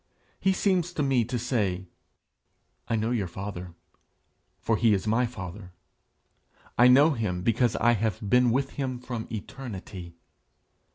He seems to me to say: 'I know your father, for he is my father; I know him because I have been with him from eternity.